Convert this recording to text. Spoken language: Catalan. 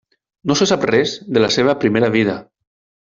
No se sap res de la seva primera vida.